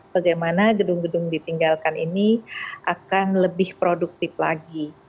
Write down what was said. bagaimana gedung gedung ditinggalkan ini akan lebih produktif lagi